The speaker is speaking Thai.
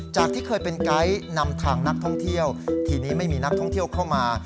จากที่เคยเป็นไกด์นำทางนักท่องเที่ยวทีนี้ไม่มีนักท่องเที่ยวเข้ามา